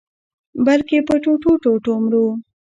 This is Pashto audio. بلکي په ټوټو-ټوټو مرو